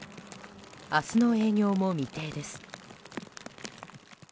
明日の営業も未定です。